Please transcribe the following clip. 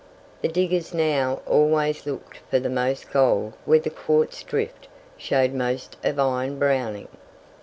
The diggers now always looked for the most gold where the quartz drift showed most of iron browning.